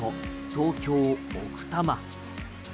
東京・奥多摩。